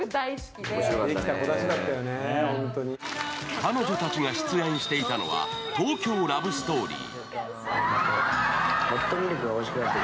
彼女たちが出演していたのは「東京ラブストーリー」。